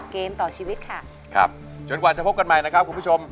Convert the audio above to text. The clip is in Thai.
เกมต่อชีวิตค่ะครับจนกว่าจะพบกันใหม่นะครับคุณผู้ชม